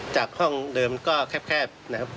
จากห้องเดิมก็แคบนะครับ